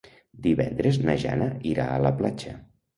Divendres na Jana irà a la platja.